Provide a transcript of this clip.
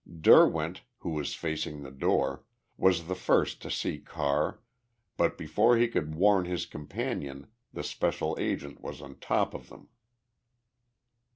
Derwent, who was facing the door, was the first to see Carr, but before he could warn his companion, the special agent was on top of them.